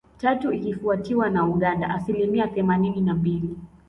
Tatu, ikifuatiwa na Uganda (asilimia themanini na mbili.